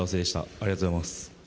ありがとうございます。